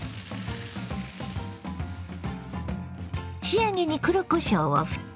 仕上げに黒こしょうをふって。